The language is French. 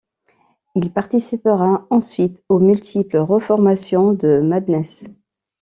Il participera ensuite aux multiples reformations de Madness.